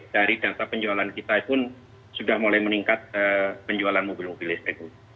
dari data penjualan kita pun sudah mulai meningkat penjualan mobil mobil listrik